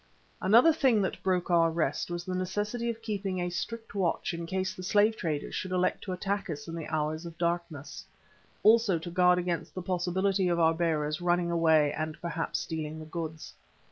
Another thing that broke our rest was the necessity of keeping a strict watch in case the slave traders should elect to attack us in the hours of darkness; also to guard against the possibility of our bearers running away and perhaps stealing the goods.